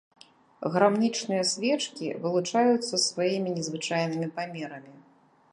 Грамнічныя свечкі вылучаюцца сваімі незвычайнымі памерамі.